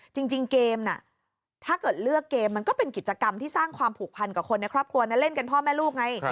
จริงเกมน่ะถ้าเกิดเลือกเกมมันก็เป็นกิจกรรมที่สร้างความผูกพันกับคนในครอบครัวนะเล่นกันพ่อแม่ลูกไง